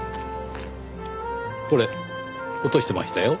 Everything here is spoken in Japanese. これ落としてましたよ。